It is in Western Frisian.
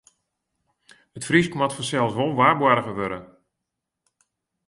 It Frysk moat fansels wol waarboarge wurde.